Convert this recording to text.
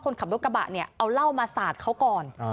คนขับรถกระบะเนี่ยเอาเหล้ามาสาดเขาก่อน